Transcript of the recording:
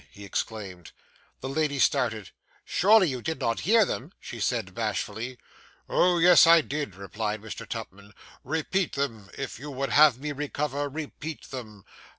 he exclaimed. The lady started. 'Surely you did not hear them!' she said bashfully. 'Oh, yes, I did!' replied Mr. Tupman; 'repeat them. If you would have me recover, repeat them.